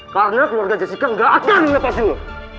karena keluarga jessica gak akan lepas lo